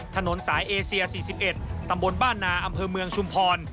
ถนนสายเอเซีย๔๑ตำบลบ้านนาอำเภอเมืองชุมพร